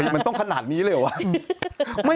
มันต้องขนาดนี้เลยเหรอวะ